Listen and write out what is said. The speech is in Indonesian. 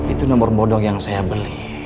itu nomor bodong yang saya beli